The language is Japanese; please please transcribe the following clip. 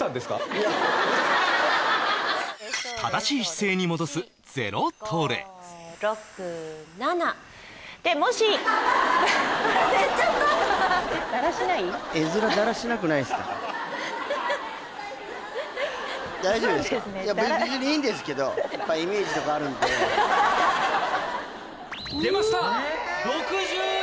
いや別にいいんですけど・出ました！